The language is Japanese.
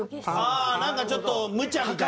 ああなんかちょっとむちゃみたいな。